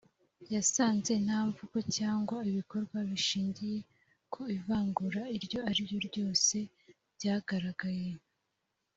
yasanze nta mvugo cyangwa ibikorwa bishingiye ku ivangura iryo ari ryo ryose byagaragaye